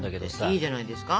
いいじゃないですか。